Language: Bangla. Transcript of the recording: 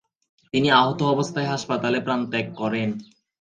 তিনি আহত অবস্থায় হাসপাতালে প্রাণ ত্যাগ করেন।